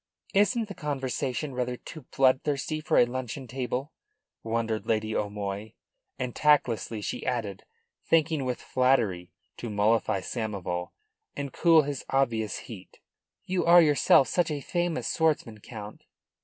"Isn't the conversation rather too bloodthirsty for a luncheon table?" wondered Lady O'Moy. And tactlessly she added, thinking with flattery to mollify Samoval and cool his obvious heat: "You are yourself such a famous swordsman, Count."